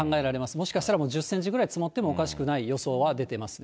もしかしたら１０センチぐらい積もってもおかしくない予想は出ていますね。